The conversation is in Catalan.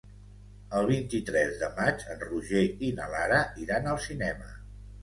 El vint-i-tres de maig en Roger i na Lara iran al cinema.